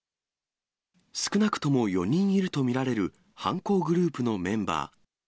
少なくとも４人いると見られる犯行グループのメンバー。